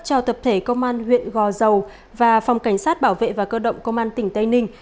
cho tập thể công an huyện gò dầu và phòng cảnh sát bảo vệ và cơ động công an tỉnh tây ninh